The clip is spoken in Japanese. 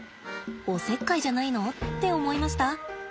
「おせっかいじゃないの？」って思いました？